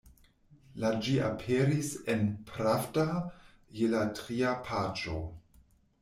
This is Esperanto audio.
La ĝi aperis en «Pravda» je la tria paĝo.